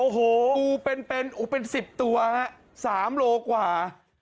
โอ้โหอู๋เป็น๑๐ตัวครับ๓โลกรัมกว่า